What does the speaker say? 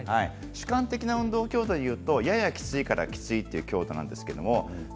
主観的な運動強度でいうとややきついからきついの範囲です。